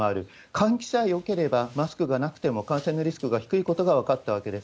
換気さえよければマスクがなくても、感染のリスクが低いことが分かったわけです。